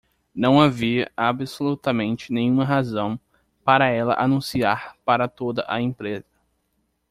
Não havia absolutamente nenhuma razão para ela anunciar para toda a empresa.